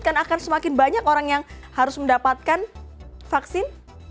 akan semakin banyak orang yang harus mendapatkan vaksin